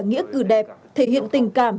nghĩa cử đẹp thể hiện tình cảm